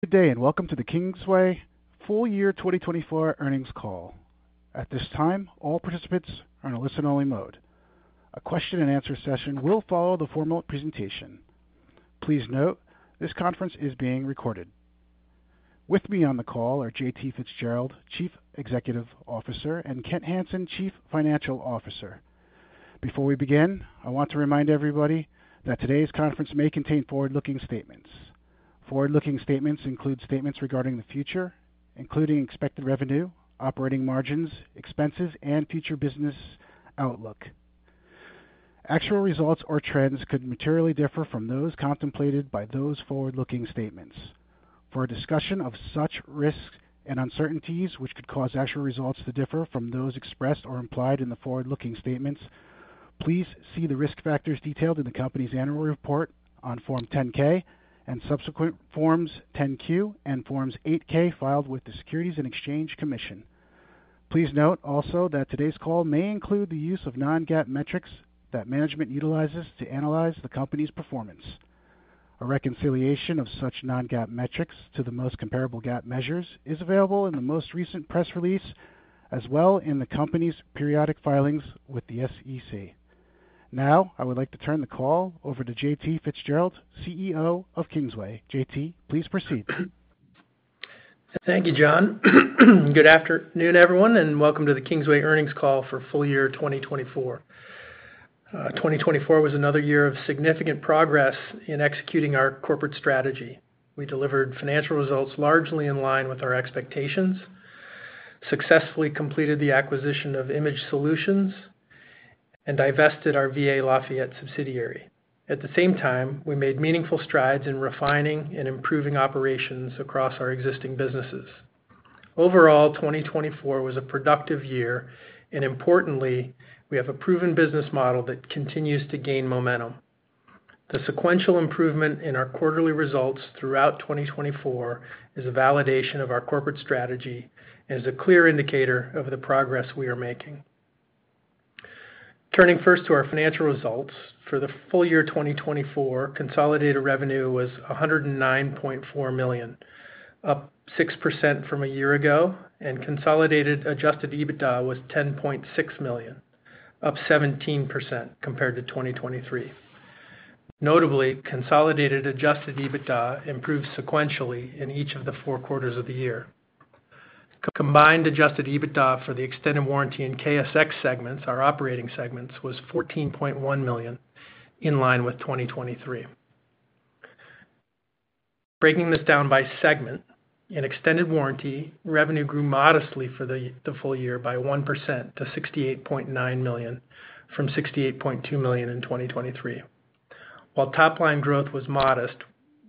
Good day, and welcome to the Kingsway Full Year 2024 Earnings Call. At this time, all participants are in a listen-only mode. A question-and-answer session will follow the formal presentation. Please note this conference is being recorded. With me on the call are J.T. Fitzgerald, Chief Executive Officer, and Kent Hansen, Chief Financial Officer. Before we begin, I want to remind everybody that today's conference may contain forward-looking statements. Forward-looking statements include statements regarding the future, including expected revenue, operating margins, expenses, and future business outlook. Actual results or trends could materially differ from those contemplated by those forward-looking statements. For a discussion of such risks and uncertainties which could cause actual results to differ from those expressed or implied in the forward-looking statements, please see the risk factors detailed in the company's annual report on Form 10-K and subsequent Forms 10-Q and Forms 8-K filed with the Securities and Exchange Commission. Please note also that today's call may include the use of non-GAAP metrics that management utilizes to analyze the company's performance. A reconciliation of such non-GAAP metrics to the most comparable GAAP measures is available in the most recent press release as well as in the company's periodic filings with the SEC. Now, I would like to turn the call over to J.T. Fitzgerald, CEO of Kingsway. J.T., please proceed. Thank you, John. Good afternoon, everyone, and welcome to the Kingsway Earnings Call for Full Year 2024. 2024 was another year of significant progress in executing our corporate strategy. We delivered financial results largely in line with our expectations, successfully completed the acquisition of Image Solutions, and divested our VA Lafayette subsidiary. At the same time, we made meaningful strides in refining and improving operations across our existing businesses. Overall, 2024 was a productive year, and importantly, we have a proven business model that continues to gain momentum. The sequential improvement in our quarterly results throughout 2024 is a validation of our corporate strategy and is a clear indicator of the progress we are making. Turning first to our financial results, for the full year 2024, consolidated revenue was $109.4 million, up 6% from a year ago, and consolidated adjusted EBITDA was $10.6 million, up 17% compared to 2023. Notably, consolidated adjusted EBITDA improved sequentially in each of the four quarters of the year. Combined adjusted EBITDA for the extended warranty and KSX segments, our operating segments, was $14.1 million, in line with 2023. Breaking this down by segment, in extended warranty, revenue grew modestly for the full year by 1% to $68.9 million, from $68.2 million in 2023. While top-line growth was modest,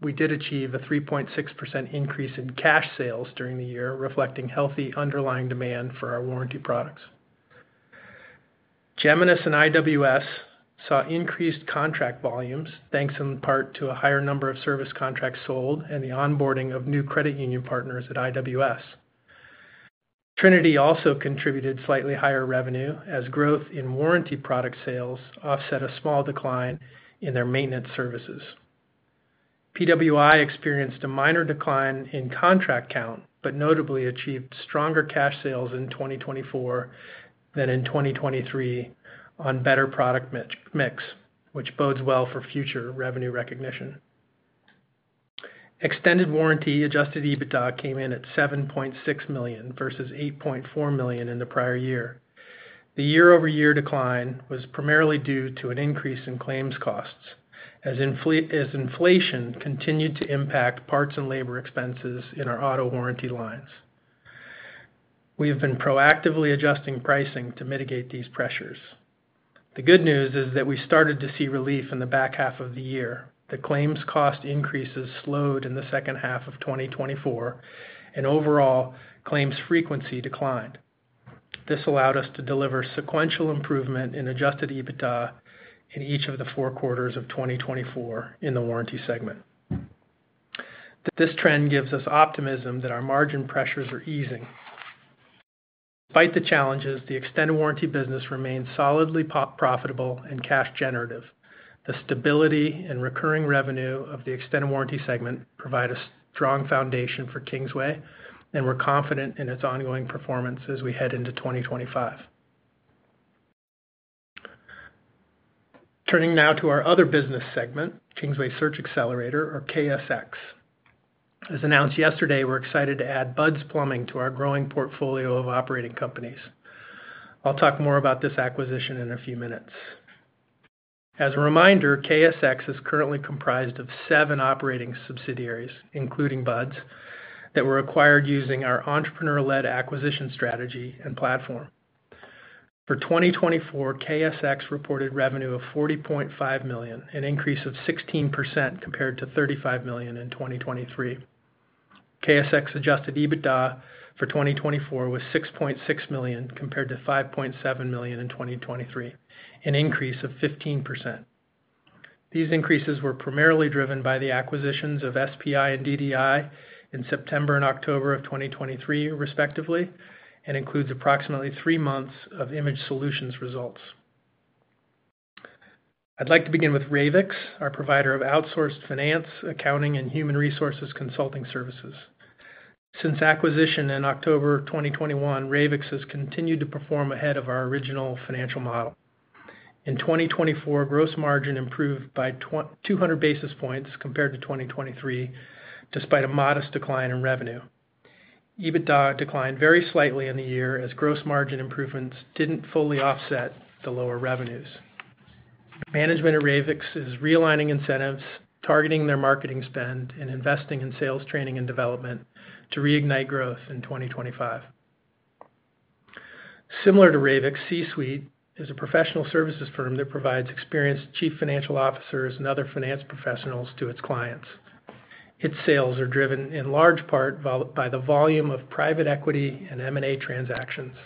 we did achieve a 3.6% increase in cash sales during the year, reflecting healthy underlying demand for our warranty products. Geminus and IWS saw increased contract volumes, thanks in part to a higher number of service contracts sold and the onboarding of new credit union partners at IWS. Trinity also contributed slightly higher revenue as growth in warranty product sales offset a small decline in their maintenance services. PWI experienced a minor decline in contract count but notably achieved stronger cash sales in 2024 than in 2023 on better product mix, which bodes well for future revenue recognition. Extended warranty adjusted EBITDA came in at $7.6 million versus $8.4 million in the prior year. The year-over-year decline was primarily due to an increase in claims costs as inflation continued to impact parts and labor expenses in our auto warranty lines. We have been proactively adjusting pricing to mitigate these pressures. The good news is that we started to see relief in the back half of the year. The claims cost increases slowed in the second half of 2024, and overall, claims frequency declined. This allowed us to deliver sequential improvement in adjusted EBITDA in each of the four quarters of 2024 in the warranty segment. This trend gives us optimism that our margin pressures are easing. Despite the challenges, the extended warranty business remains solidly profitable and cash-generative. The stability and recurring revenue of the extended warranty segment provide a strong foundation for Kingsway, and we're confident in its ongoing performance as we head into 2025. Turning now to our other business segment, Kingsway Search Xcelerator, or KSX. As announced yesterday, we're excited to add Bud's Plumbing to our growing portfolio of operating companies. I'll talk more about this acquisition in a few minutes. As a reminder, KSX is currently comprised of seven operating subsidiaries, including Bud's, that were acquired using our entrepreneur-led acquisition strategy and platform. For 2024, KSX reported revenue of $40.5 million, an increase of 16% compared to $35 million in 2023. KSX adjusted EBITDA for 2024 was $6.6 million compared to $5.7 million in 2023, an increase of 15%. These increases were primarily driven by the acquisitions of SPI and DDI in September and October of 2023, respectively, and includes approximately three months of Image Solutions results. I'd like to begin with Ravix, our provider of outsourced finance, accounting, and human resources consulting services. Since acquisition in October 2021, Ravix has continued to perform ahead of our original financial model. In 2024, gross margin improved by 200 basis points compared to 2023, despite a modest decline in revenue. EBITDA declined very slightly in the year as gross margin improvements didn't fully offset the lower revenues. Management at Ravix is realigning incentives, targeting their marketing spend, and investing in sales, training, and development to reignite growth in 2025. Similar to Ravix, C-Suite is a professional services firm that provides experienced chief financial officers and other finance professionals to its clients. Its sales are driven in large part by the volume of private equity and M&A transactions.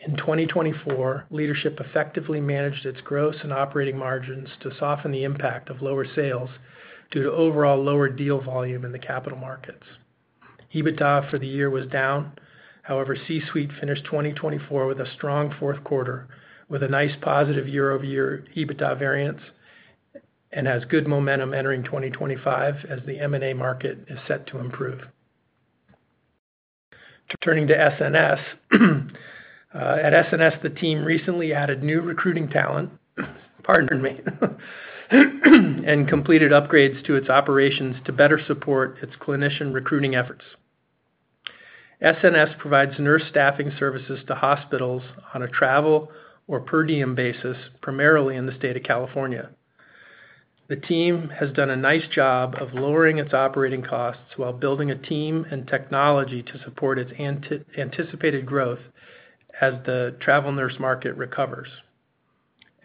In 2024, leadership effectively managed its gross and operating margins to soften the impact of lower sales due to overall lower deal volume in the capital markets. EBITDA for the year was down. However, C-Suite finished 2024 with a strong fourth quarter, with a nice positive year-over-year EBITDA variance, and has good momentum entering 2025 as the M&A market is set to improve. Turning to SNS, at SNS, the team recently added new recruiting talent, pardon me, and completed upgrades to its operations to better support its clinician recruiting efforts. SNS provides nurse staffing services to hospitals on a travel or per diem basis, primarily in the state of California. The team has done a nice job of lowering its operating costs while building a team and technology to support its anticipated growth as the travel nurse market recovers.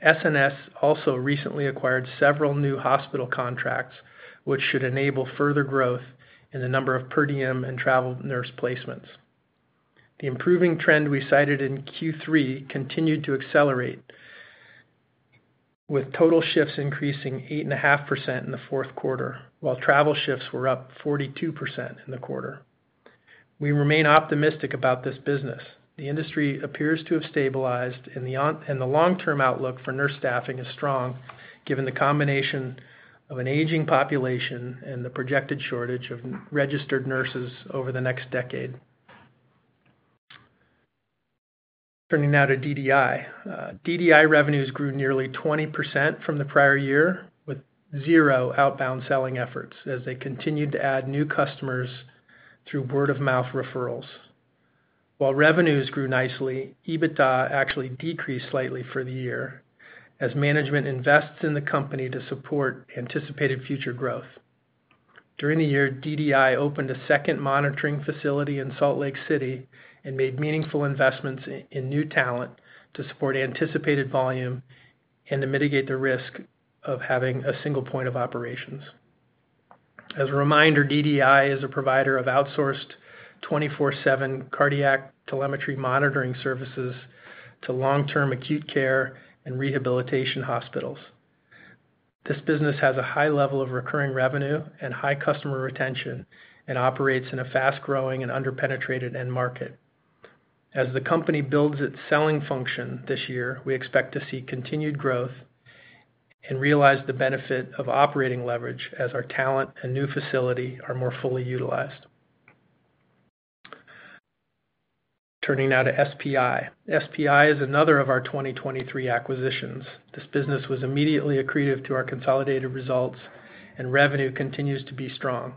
SNS also recently acquired several new hospital contracts, which should enable further growth in the number of per diem and travel nurse placements. The improving trend we cited in Q3 continued to accelerate, with total shifts increasing 8.5% in the fourth quarter, while travel shifts were up 42% in the quarter. We remain optimistic about this business. The industry appears to have stabilized, and the long-term outlook for nurse staffing is strong, given the combination of an aging population and the projected shortage of registered nurses over the next decade. Turning now to DDI. DDI revenues grew nearly 20% from the prior year, with zero outbound selling efforts as they continued to add new customers through word-of-mouth referrals. While revenues grew nicely, EBITDA actually decreased slightly for the year as management invests in the company to support anticipated future growth. During the year, DDI opened a second monitoring facility in Salt Lake City and made meaningful investments in new talent to support anticipated volume and to mitigate the risk of having a single point of operations. As a reminder, DDI is a provider of outsourced 24/7 cardiac telemetry monitoring services to long-term acute care and rehabilitation hospitals. This business has a high level of recurring revenue and high customer retention and operates in a fast-growing and under-penetrated end market. As the company builds its selling function this year, we expect to see continued growth and realize the benefit of operating leverage as our talent and new facility are more fully utilized. Turning now to SPI. SPI is another of our 2023 acquisitions. This business was immediately accretive to our consolidated results, and revenue continues to be strong.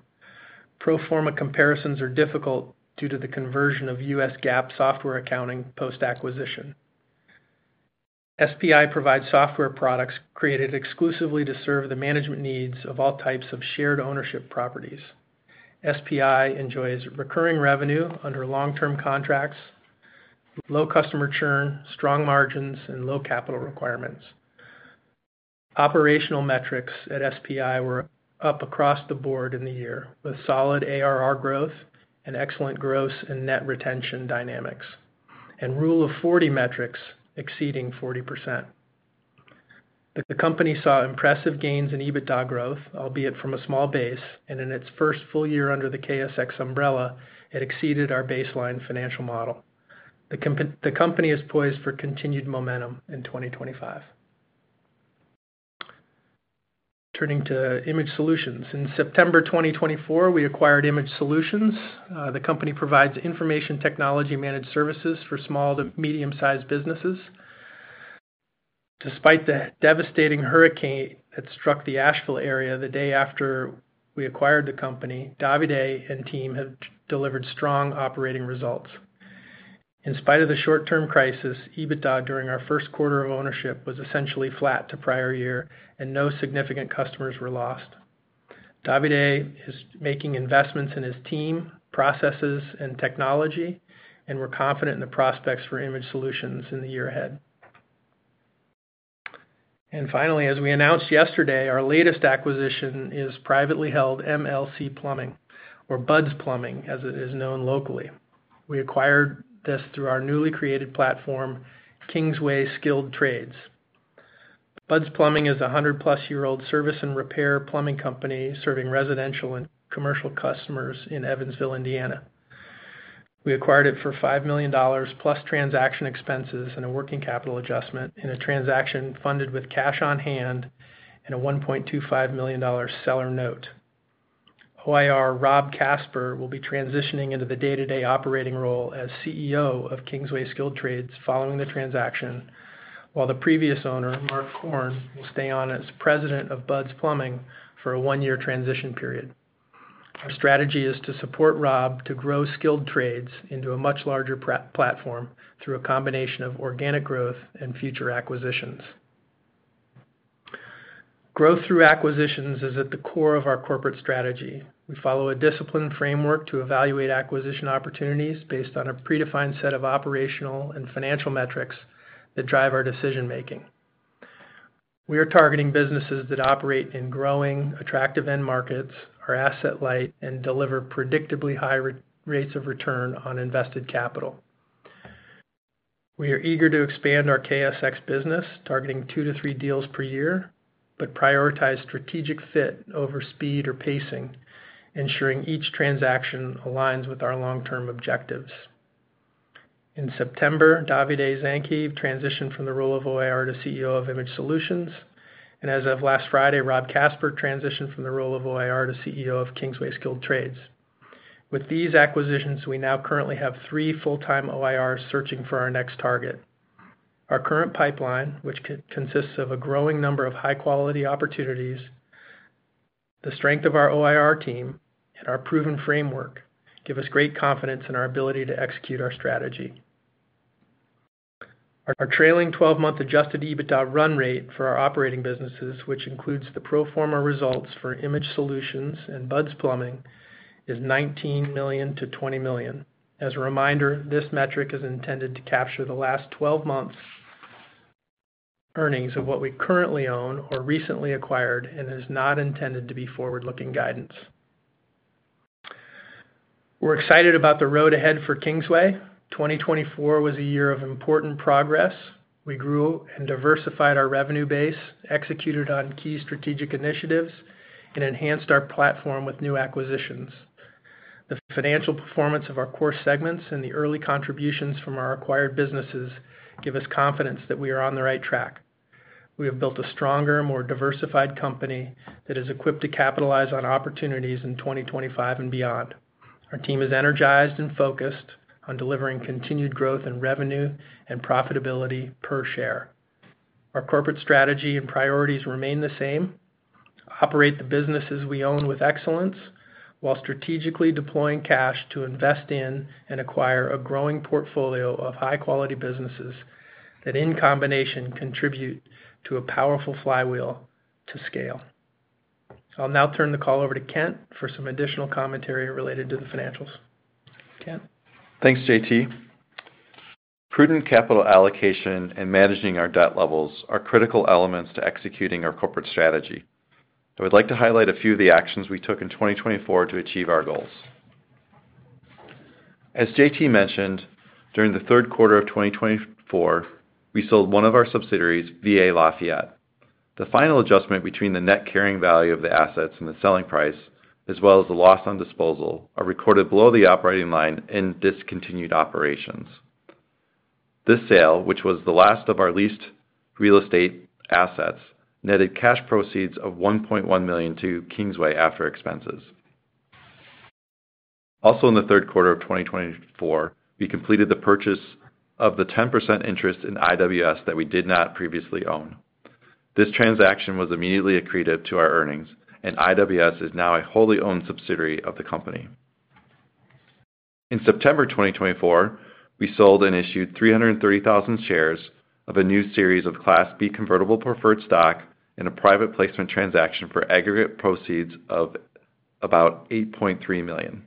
Pro forma comparisons are difficult due to the conversion of U.S. GAAP software accounting post-acquisition. SPI provides software products created exclusively to serve the management needs of all types of shared ownership properties. SPI enjoys recurring revenue under long-term contracts, low customer churn, strong margins, and low capital requirements. Operational metrics at SPI were up across the board in the year, with solid ARR growth and excellent gross and net retention dynamics, and Rule of 40 metrics exceeding 40%. The company saw impressive gains in EBITDA growth, albeit from a small base, and in its first full year under the KSX umbrella, it exceeded our baseline financial model. The company is poised for continued momentum in 2025. Turning to Image Solutions. In September 2024, we acquired Image Solutions. The company provides information technology-managed services for small to medium-sized businesses. Despite the devastating hurricane that struck the Asheville area the day after we acquired the company, Davide and team have delivered strong operating results. In spite of the short-term crisis, EBITDA during our first quarter of ownership was essentially flat to prior year, and no significant customers were lost. Davide is making investments in his team, processes, and technology, and we're confident in the prospects for Image Solutions in the year ahead. Finally, as we announced yesterday, our latest acquisition is privately held Bud's Plumbing, as it is known locally. We acquired this through our newly created platform, Kingsway Skilled Trades. Bud's Plumbing is a 100-plus-year-old service and repair plumbing company serving residential and commercial customers in Evansville, Indiana. We acquired it for $5 million plus transaction expenses and a working capital adjustment in a transaction funded with cash on hand and a $1.25 million seller note. OIR Rob Casper will be transitioning into the day-to-day operating role as CEO of Kingsway Skilled Trades following the transaction, while the previous owner, Mark Korn, will stay on as president of Bud's Plumbing for a one-year transition period. Our strategy is to support Rob to grow Skilled Trades into a much larger platform through a combination of organic growth and future acquisitions. Growth through acquisitions is at the core of our corporate strategy. We follow a disciplined framework to evaluate acquisition opportunities based on a predefined set of operational and financial metrics that drive our decision-making. We are targeting businesses that operate in growing, attractive end markets, are asset-light, and deliver predictably high rates of return on invested capital. We are eager to expand our KSX business, targeting two to three deals per year, but prioritize strategic fit over speed or pacing, ensuring each transaction aligns with our long-term objectives. In September, Davide Zanke transitioned from the role of OIR to CEO of Image Solutions, and as of last Friday, Rob Casper transitioned from the role of OIR to CEO of Kingsway Skilled Trades. With these acquisitions, we now currently have three full-time OIRs searching for our next target. Our current pipeline, which consists of a growing number of high-quality opportunities, the strength of our OIR team, and our proven framework give us great confidence in our ability to execute our strategy. Our trailing 12-month adjusted EBITDA run rate for our operating businesses, which includes the pro forma results for Image Solutions and Bud's Plumbing, is $19 million-$20 million. As a reminder, this metric is intended to capture the last 12 months' earnings of what we currently own or recently acquired and is not intended to be forward-looking guidance. We're excited about the road ahead for Kingsway. 2024 was a year of important progress. We grew and diversified our revenue base, executed on key strategic initiatives, and enhanced our platform with new acquisitions. The financial performance of our core segments and the early contributions from our acquired businesses give us confidence that we are on the right track. We have built a stronger, more diversified company that is equipped to capitalize on opportunities in 2025 and beyond. Our team is energized and focused on delivering continued growth in revenue and profitability per share. Our corporate strategy and priorities remain the same: operate the businesses we own with excellence while strategically deploying cash to invest in and acquire a growing portfolio of high-quality businesses that, in combination, contribute to a powerful flywheel to scale. I'll now turn the call over to Kent for some additional commentary related to the financials. Kent? Thanks, J.T. Prudent capital allocation and managing our debt levels are critical elements to executing our corporate strategy. I would like to highlight a few of the actions we took in 2024 to achieve our goals. As J.T. mentioned, during the third quarter of 2024, we sold one of our subsidiaries, VA Lafayette. The final adjustment between the net carrying value of the assets and the selling price, as well as the loss on disposal, are recorded below the operating line in discontinued operations. This sale, which was the last of our leased real estate assets, netted cash proceeds of $1.1 million to Kingsway after expenses. Also, in the third quarter of 2024, we completed the purchase of the 10% interest in IWS that we did not previously own. This transaction was immediately accretive to our earnings, and IWS is now a wholly owned subsidiary of the company. In September 2024, we sold and issued 330,000 shares of a new series of Class B convertible preferred stock in a private placement transaction for aggregate proceeds of about $8.3 million.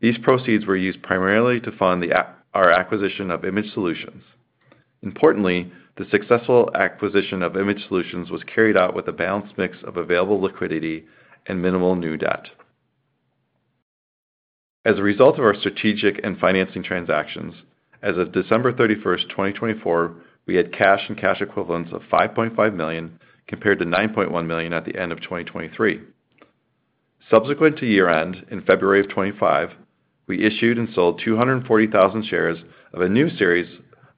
These proceeds were used primarily to fund our acquisition of Image Solutions. Importantly, the successful acquisition of Image Solutions was carried out with a balanced mix of available liquidity and minimal new debt. As a result of our strategic and financing transactions, as of December 31, 2024, we had cash and cash equivalents of $5.5 million compared to $9.1 million at the end of 2023. Subsequent to year-end, in February of 2025, we issued and sold 240,000 shares of a new series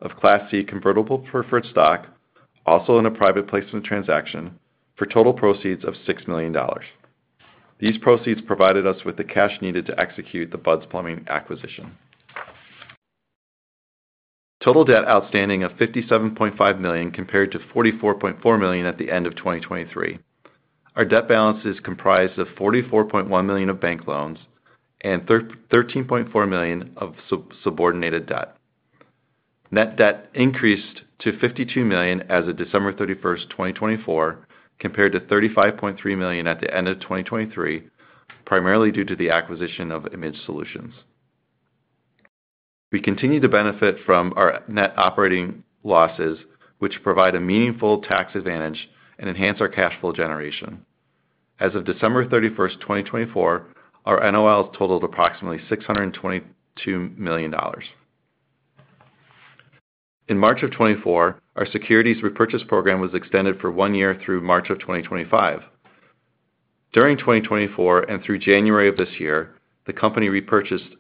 of Class C convertible preferred stock, also in a private placement transaction, for total proceeds of $6 million. These proceeds provided us with the cash needed to execute the Bud's Plumbing acquisition. Total debt outstanding of $57.5 million compared to $44.4 million at the end of 2023. Our debt balance is comprised of $44.1 million of bank loans and $13.4 million of subordinated debt. Net debt increased to $52 million as of December 31, 2024, compared to $35.3 million at the end of 2023, primarily due to the acquisition of Image Solutions. We continue to benefit from our net operating losses, which provide a meaningful tax advantage and enhance our cash flow generation. As of December 31, 2024, our NOLs totaled approximately $622 million. In March of 2024, our securities repurchase program was extended for one year through March of 2025. During 2024 and through January of this year, the company repurchased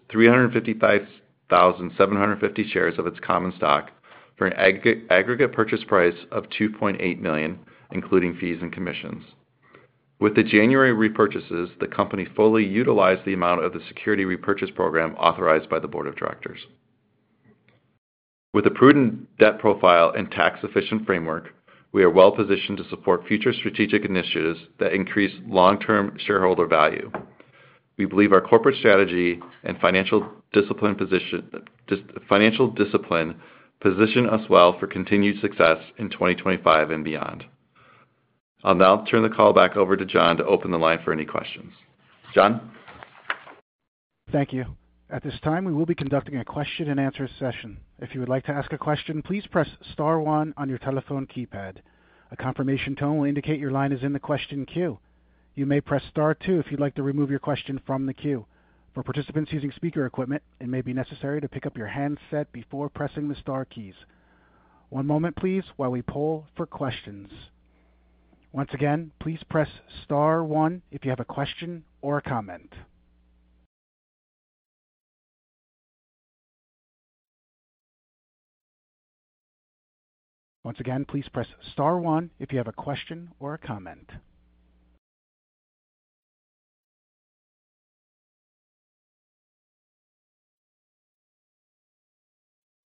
355,750 shares of its common stock for an aggregate purchase price of $2.8 million, including fees and commissions. With the January repurchases, the company fully utilized the amount of the security repurchase program authorized by the Board of Directors. With a prudent debt profile and tax-efficient framework, we are well-positioned to support future strategic initiatives that increase long-term shareholder value. We believe our corporate strategy and financial discipline position us well for continued success in 2025 and beyond. I'll now turn the call back over to John to open the line for any questions. John? Thank you. At this time, we will be conducting a question-and-answer session. If you would like to ask a question, please press Star 1 on your telephone keypad. A confirmation tone will indicate your line is in the question queue. You may press Star 2 if you'd like to remove your question from the queue. For participants using speaker equipment, it may be necessary to pick up your handset before pressing the Star keys. One moment, please, while we poll for questions. Once again, please press Star 1 if you have a question or a comment. Once again, please press Star 1 if you have a question or a comment.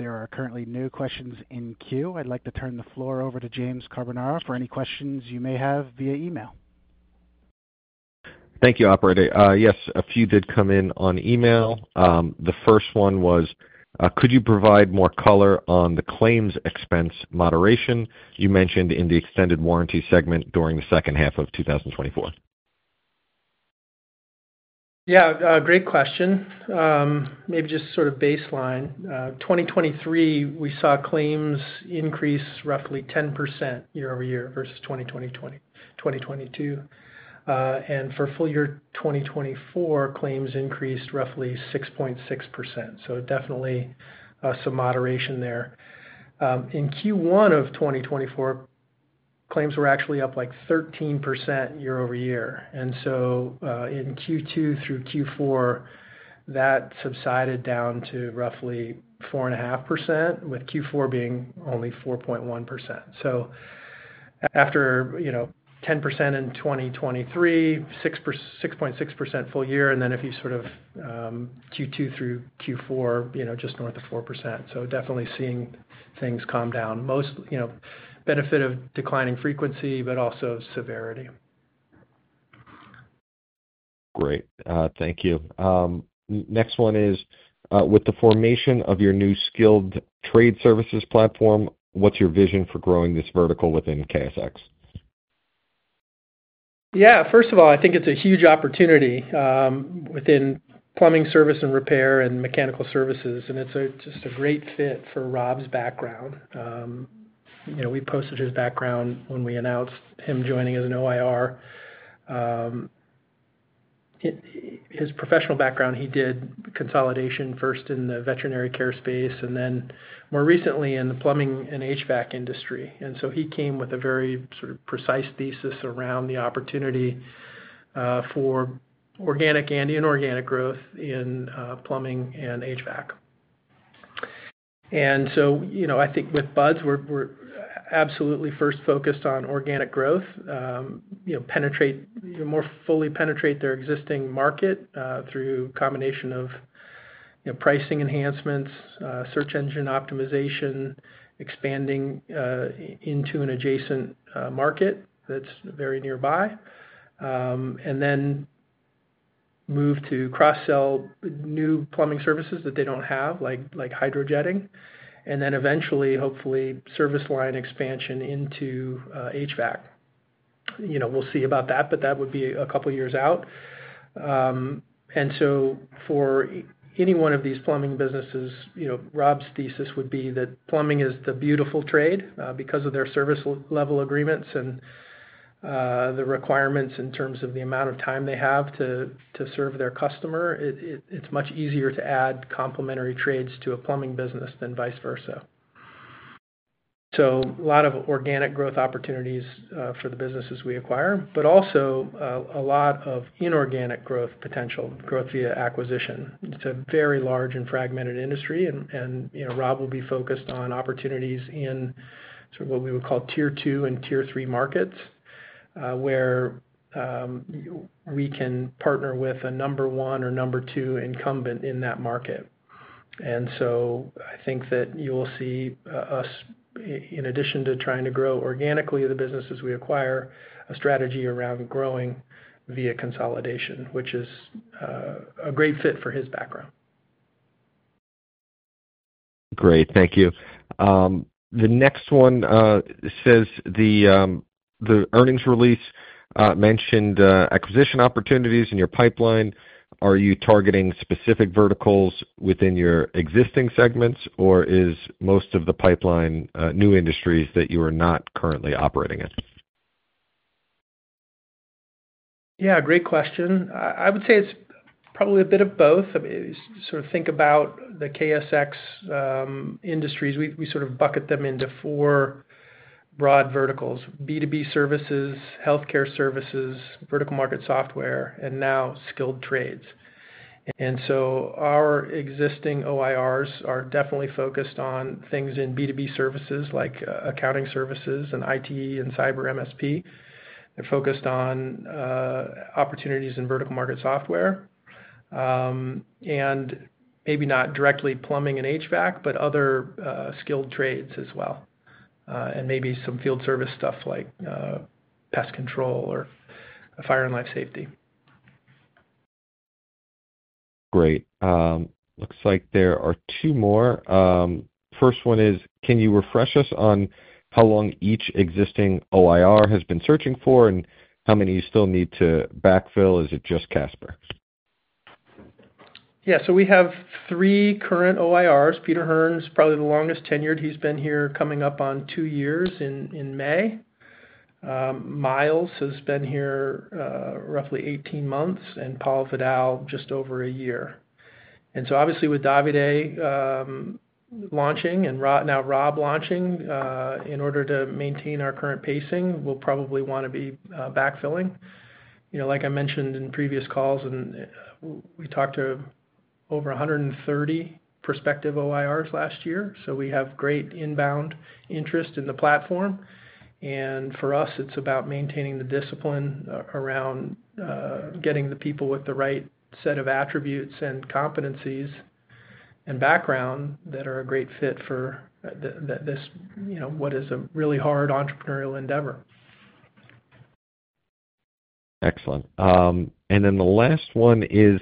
There are currently no questions in queue. I'd like to turn the floor over to James Carbonara for any questions you may have via email. Thank you, Operator. Yes, a few did come in on email. The first one was, could you provide more color on the claims expense moderation you mentioned in the extended warranty segment during the second half of 2024? Yeah, great question. Maybe just sort of baseline. 2023, we saw claims increase roughly 10% year over year versus 2020, 2022. And for full year 2024, claims increased roughly 6.6%. So definitely some moderation there. In Q1 of 2024, claims were actually up like 13% year over year. In Q2 through Q4, that subsided down to roughly 4.5%, with Q4 being only 4.1%. After 10% in 2023, 6.6% full year, and then if you sort of Q2 through Q4, just north of 4%. Definitely seeing things calm down. Benefit of declining frequency, but also severity. Great. Thank you. Next one is, with the formation of your new Skilled Trade Services platform, what's your vision for growing this vertical within KSX? Yeah, first of all, I think it's a huge opportunity within plumbing service and repair and mechanical services. It's just a great fit for Rob's background. We posted his background when we announced him joining as an OIR. His professional background, he did consolidation first in the veterinary care space and then more recently in the plumbing and HVAC industry. He came with a very precise thesis around the opportunity for organic and inorganic growth in plumbing and HVAC. I think with Buds, we're absolutely first focused on organic growth, more fully penetrate their existing market through a combination of pricing enhancements, search engine optimization, expanding into an adjacent market that's very nearby, and then move to cross-sell new plumbing services that they don't have, like hydro jetting, and then eventually, hopefully, service line expansion into HVAC. We'll see about that, but that would be a couple of years out. For any one of these plumbing businesses, Rob's thesis would be that plumbing is the beautiful trade. Because of their service level agreements and the requirements in terms of the amount of time they have to serve their customer, it's much easier to add complementary trades to a plumbing business than vice versa. A lot of organic growth opportunities for the businesses we acquire, but also a lot of inorganic growth potential, growth via acquisition. It is a very large and fragmented industry, and Rob will be focused on opportunities in what we would call tier two and tier three markets, where we can partner with a number one or number two incumbent in that market. I think that you will see us, in addition to trying to grow organically the businesses we acquire, a strategy around growing via consolidation, which is a great fit for his background. Great. Thank you. The next one says the earnings release mentioned acquisition opportunities in your pipeline. Are you targeting specific verticals within your existing segments, or is most of the pipeline new industries that you are not currently operating in? Yeah, great question. I would say it is probably a bit of both. I mean, sort of think about the KSX industries. We sort of bucket them into four broad verticals: B2B services, healthcare services, vertical market software, and now skilled trades. Our existing OIRs are definitely focused on things in B2B services like accounting services and IT and cyber MSP. They're focused on opportunities in vertical market software and maybe not directly plumbing and HVAC, but other skilled trades as well, and maybe some field service stuff like pest control or fire and life safety. Great. Looks like there are two more. First one is, can you refresh us on how long each existing OIR has been searching for and how many you still need to backfill? Is it just Casper? Yeah. We have three current OIRs. Peter Hearne is probably the longest tenured. He's been here coming up on two years in May. Myles has been here roughly 18 months, and Paul Vidal just over a year. Obviously, with Davide launching and now Rob launching, in order to maintain our current pacing, we'll probably want to be backfilling. Like I mentioned in previous calls, we talked to over 130 prospective OIRs last year. We have great inbound interest in the platform. For us, it's about maintaining the discipline around getting the people with the right set of attributes and competencies and background that are a great fit for what is a really hard entrepreneurial endeavor. Excellent. The last one is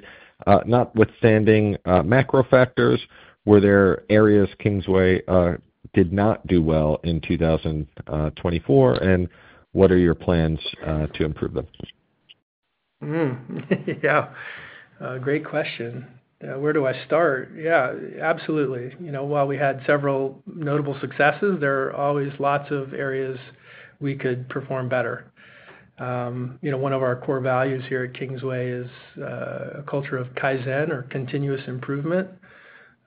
notwithstanding macro factors, were there areas Kingsway did not do well in 2024? What are your plans to improve them? Yeah. Great question. Where do I start? Yeah, absolutely. While we had several notable successes, there are always lots of areas we could perform better. One of our core values here at Kingsway is a culture of Kaizen or continuous improvement.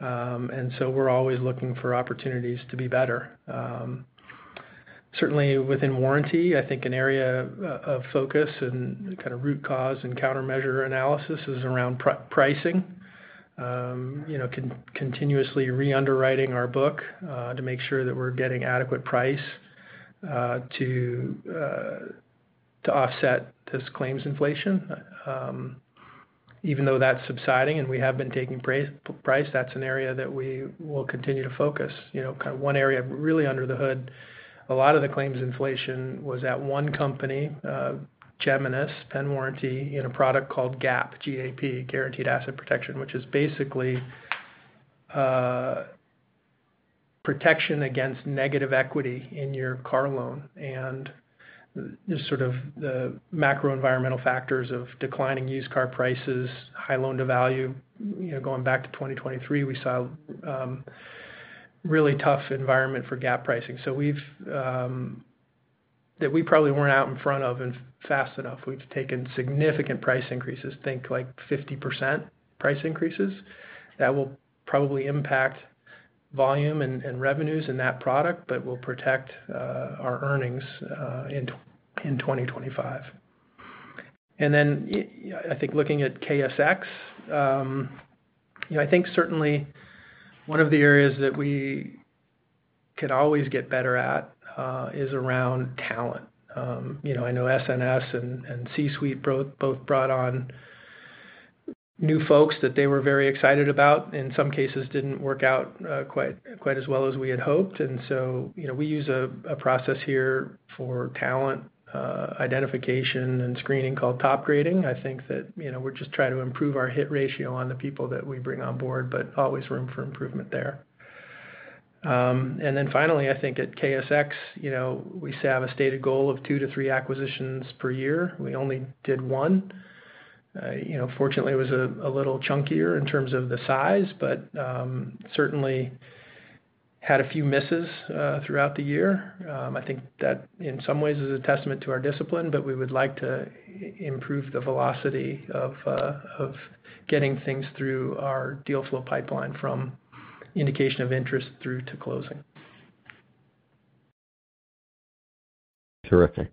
We are always looking for opportunities to be better. Certainly, within warranty, I think an area of focus and kind of root cause and countermeasure analysis is around pricing, continuously re-underwriting our book to make sure that we are getting adequate price to offset this claims inflation. Even though that is subsiding and we have been taking price, that is an area that we will continue to focus. One area really under the hood, a lot of the claims inflation was at one company, Geminis, in warranty in a product called GAP, G-A-P, Guaranteed Asset Protection, which is basically protection against negative equity in your car loan. Just sort of the macro environmental factors of declining used car prices, high loan-to-value. Going back to 2023, we saw a really tough environment for GAP pricing. That we probably were not out in front of and fast enough. We have taken significant price increases, think like 50% price increases. That will probably impact volume and revenues in that product, but will protect our earnings in 2025. I think looking at KSX, I think certainly one of the areas that we could always get better at is around talent. I know SNS and C-Suite both brought on new folks that they were very excited about. In some cases, did not work out quite as well as we had hoped. We use a process here for talent identification and screening called top grading. I think that we are just trying to improve our hit ratio on the people that we bring on board, but always room for improvement there. Finally, I think at KSX, we have a stated goal of two to three acquisitions per year. We only did one. Fortunately, it was a little chunkier in terms of the size, but certainly had a few misses throughout the year. I think that in some ways is a testament to our discipline, but we would like to improve the velocity of getting things through our deal flow pipeline from indication of interest through to closing. Terrific.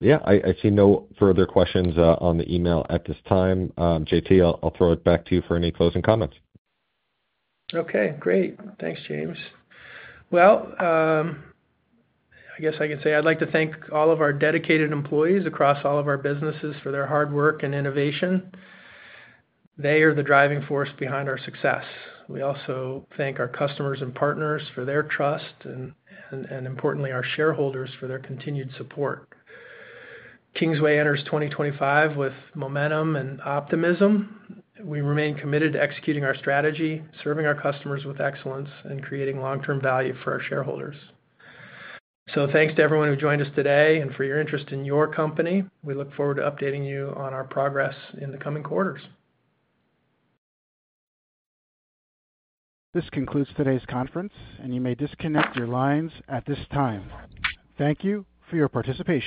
Yeah, I see no further questions on the email at this time. JT, I'll throw it back to you for any closing comments. Okay. Great. Thanks, James. I guess I can say I'd like to thank all of our dedicated employees across all of our businesses for their hard work and innovation. They are the driving force behind our success. We also thank our customers and partners for their trust and, importantly, our shareholders for their continued support. Kingsway enters 2025 with momentum and optimism. We remain committed to executing our strategy, serving our customers with excellence, and creating long-term value for our shareholders. Thanks to everyone who joined us today and for your interest in your company. We look forward to updating you on our progress in the coming quarters. This concludes today's conference, and you may disconnect your lines at this time. Thank you for your participation.